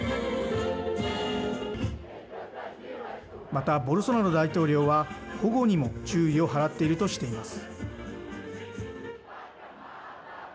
また、ボルソナロ大統領は保護にも注意を払っているとしています。